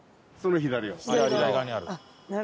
左側にある。